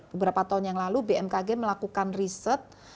beberapa tahun yang lalu bmkg melakukan riset